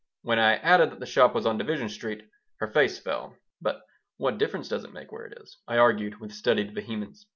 When I added that the shop was on Division Street her face fell "But what difference does it make where it is?" I argued, with studied vehemence.